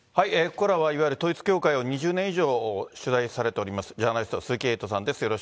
ここからはいわゆる統一教会を２０年以上取材されております、ジャーナリスト、鈴木エイトさんです。